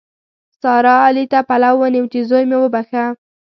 سارا؛ علي ته پلو ونیو چې زوی مې وبښه.